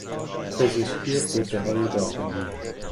پزشکی غده های داخلی